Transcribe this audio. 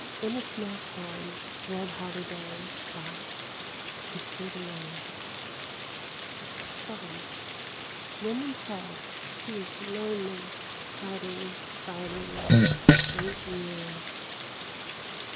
In a snowstorm, red hoUyberries, thoughts, he stood alone. Women said: He is lonely ... fighting ... fighting ... eight years